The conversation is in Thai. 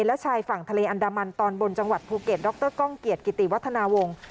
และชายฝั่งทะเลอันดามันตอนบนจังหวัดภูเก็ตดรก้องเกียจกิติวัฒนาวงศ์